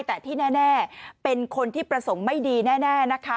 แต่ที่แน่เป็นคนที่ประสงค์ไม่ดีแน่นะคะ